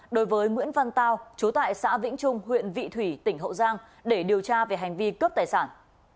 đối với nguyễn văn tao chú tại xã vĩnh trung huyện vị thủy tỉnh hậu giang để điều tra về hành vi cướp tài sản